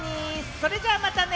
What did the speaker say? それじゃまたね！